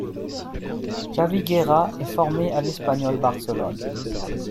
Javi Guerra est formé à l'Espanyol Barcelone.